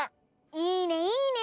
いいねいいね！